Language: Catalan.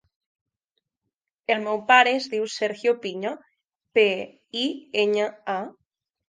El meu pare es diu Sergio Piña: pe, i, enya, a.